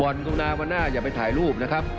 วันตรงนาวันหน้าอย่าไปถ่ายรูปนะครับ